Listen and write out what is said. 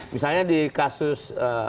misalnya di kasus